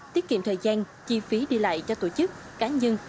tiết kiệm thời gian chi phí đi lại cho tổ chức cá nhân